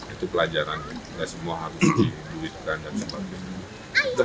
itu pelajaran tidak semua harus dibuitkan dan sebagainya